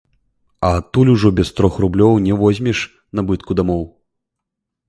А адтуль ужо без трох рублёў не возьмеш набытку дамоў.